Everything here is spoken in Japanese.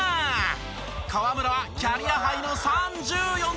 河村はキャリアハイの３４得点！